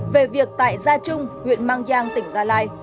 về việc tại gia trung huyện mang giang tỉnh gia lai